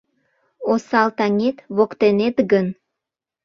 Осал таҥет воктенет гын